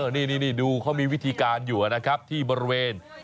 นี่ดูเขามีวิธีการอยู่นะครับที่บริเวณ